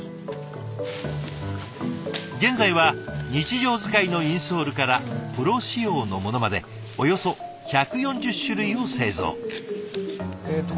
現在は日常使いのインソールからプロ仕様のものまでおよそ１４０種類を製造。